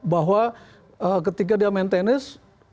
bahwa ketika dia main tenis